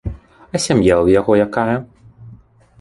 А сям'я ў яго якая?